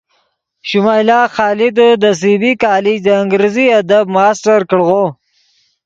شمائلہ خادے دے سی بی کالج دے انگریزی ادب ماسٹر کڑغو